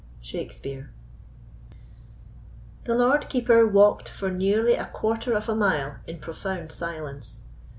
SHAKESPEARE The Lord Keeper walked for nearly a quarter of a mile in profound silence.